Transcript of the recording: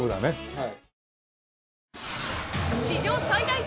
はい。